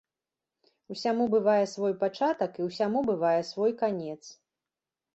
Усяму бывае свой пачатак, і ўсяму бывае свой канец.